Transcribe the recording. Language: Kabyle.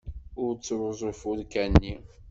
Ur ttruẓu ifurka-nni.